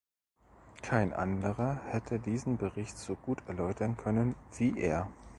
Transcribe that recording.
Kein anderer hätte diesen Bericht so gut erläutern können wie er.